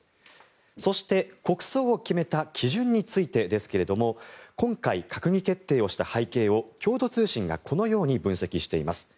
そして、国葬を決めた基準についてですけれども今回、閣議決定をした背景を共同通信がこのように分析しています。